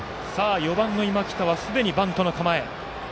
４番の今北すでにバントの構え。